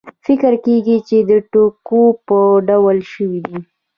فکر کېږي چې د ټوکو په ډول شوې دي.